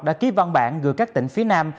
đã ký văn bản gửi các tỉnh phía nam